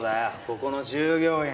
ここの従業員。